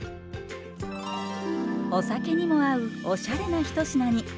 お酒にも合うおしゃれな一品に。